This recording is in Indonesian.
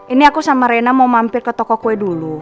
ini aku sama rena mau mampir ke toko kue dulu